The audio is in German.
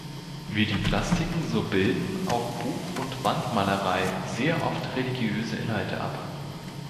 Wie die Plastiken so bilden auch Buch- und Wandmalerei sehr oft religiöse Inhalte ab.